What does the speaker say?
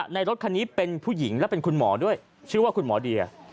รถคันนี้เป็นผู้หญิงและเป็นคุณหมอด้วยชื่อว่าคุณหมอเดีย